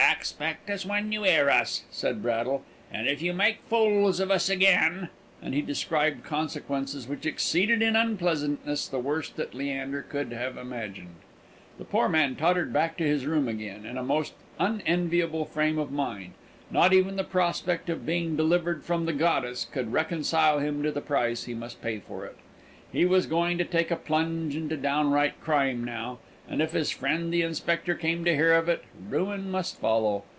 "Expect us when you 'ear us," said Braddle; "and if you make fools of us again " And he described consequences which exceeded in unpleasantness the worst that Leander could have imagined. The poor man tottered back to his room again, in a most unenviable frame of mind; not even the prospect of being delivered from the goddess could reconcile him to the price he must pay for it. He was going to take a plunge into downright crime now; and if his friend the inspector came to hear of it, ruin must follow.